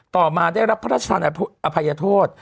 ต่อมาได้รับพระราชอภัยโทษ